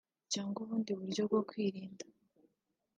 cyagwa ubundi buryo bwo kwirinda